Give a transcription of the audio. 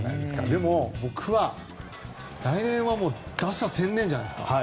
でも、僕は来年は打者専念じゃないですか。